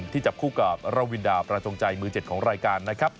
จับคู่กับระวินดาประจงใจมือ๗ของรายการนะครับ